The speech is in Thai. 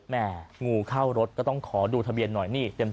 งูเข้ารถก็ต้องขอดูทะเบียนหน่อยนี่เต็ม